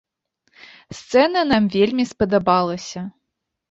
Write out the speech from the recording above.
Сцэна нам вельмі спадабалася.